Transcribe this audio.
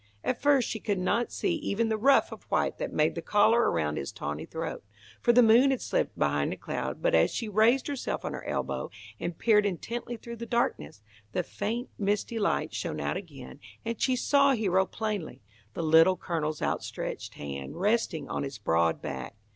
At first she could not see even the ruff of white that made the collar around his tawny throat, for the moon had slipped behind a cloud, but as she raised herself on her elbow, and peered intently through the darkness, the faint misty light shone out again, and she saw Hero plainly, the Little Colonel's outstretched hand resting on his broad back.